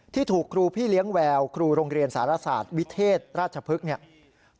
ที่ถูกครูพี่เลี้ยงแววครูโรงเรียนสารศาสตร์วิเทศราชพฤกษ์เนี่ย